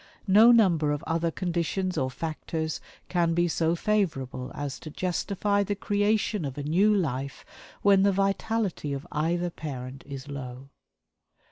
No number of other conditions or factors can be so favorable as to justify the creation of a new life when the vitality of either parent is low.